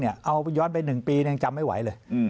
เอาย้อนไป๑ปียังจำไม่ไหวเลย